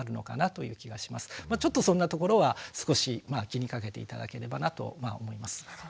ちょっとそんなところは少し気にかけて頂ければなと思います。